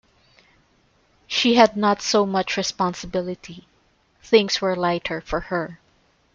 She had not so much responsibility; things were lighter for her.